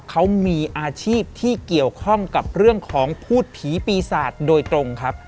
เขามีอาชีพที่เกี่ยวข้องกับเรื่องของพูดผีปีศาจโดยตรงครับ